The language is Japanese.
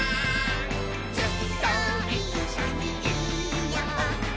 「ずっといっしょにいようね」